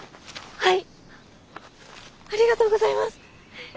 はい。